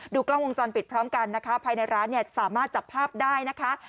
กล้องวงจรปิดพร้อมกันนะคะภายในร้านเนี่ยสามารถจับภาพได้นะคะ